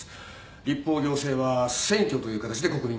立法行政は選挙という形で国民が参加。